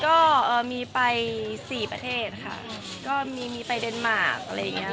ก็มีไปสี่ประเทศค่ะก็มีไปเดนมาร์กอะไรอย่างนี้